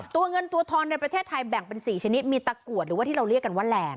ตัวเงินตัวทองในประเทศไทยแบ่งเป็น๔ชนิดมีตะกรวดหรือว่าที่เราเรียกกันว่าแลนด